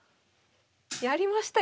やりましたよ。